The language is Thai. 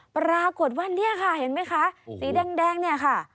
ปรากฏว่าเนี่ยค่ะเห็นไหมคะสีแดงเนี่ยค่ะ